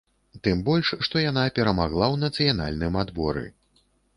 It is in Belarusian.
Тым больш што яна перамагла ў нацыянальным адборы.